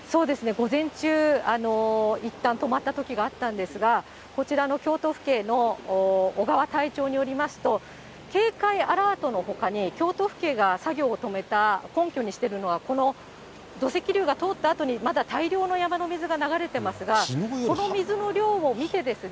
午前中、いったん、止まったときがあったんですが、こちらの京都府警のおがわ隊長によりますと、警戒アラートのほかに、京都府警が作業を止めた根拠にしてるのはこの土石流が通った跡にまだ大量の山の水が流れてますが、この水の量を見て。